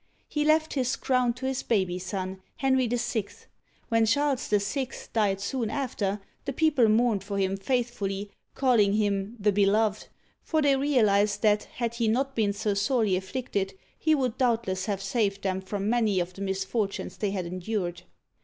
He left his crown to his baby son, Henry VI. When Charles VI. died soon after, the people mourned for him faithfully, calling him "the Beloved," for they realized that had he not been so sorely afflicted, he would doubtless have saved them from many of the misfortunes they had endured.